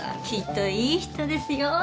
きっといい人ですよ。